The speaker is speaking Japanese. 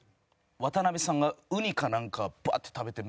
渡辺さんがウニかなんかバーッて食べて。